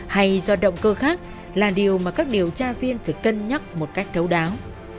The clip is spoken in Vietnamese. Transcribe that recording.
hay do động cơ khác là điều mà các điều tra viên phải cân nhắc một cách thấu đáo